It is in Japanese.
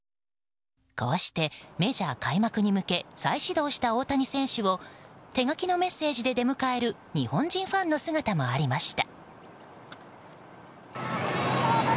こうして、メジャー開幕に向け再始動した大谷選手を手書きのメッセージで出迎える日本人ファンの姿もありました。